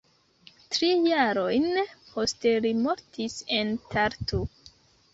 Tri jarojn poste li mortis en Tartu.